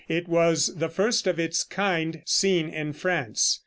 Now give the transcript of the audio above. It was the first of this kind seen in France.